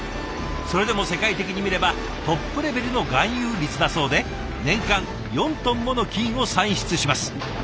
それでも世界的に見ればトップレベルの含有率だそうで年間４トンもの金を産出します。